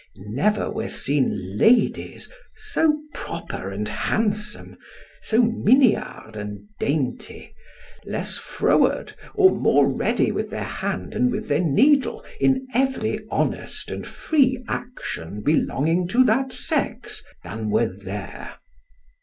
Never were seen ladies so proper and handsome, so miniard and dainty, less froward, or more ready with their hand and with their needle in every honest and free action belonging to that sex, than were there.